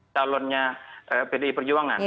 talonnya pdi perjuangan